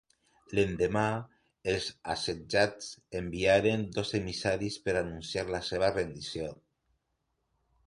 L'endemà, els assetjats enviaren dos emissaris per anunciar la seva rendició.